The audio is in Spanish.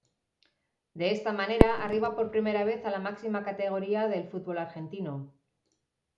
De esta manera, arriba por primera vez a la máxima categoría del fútbol argentino.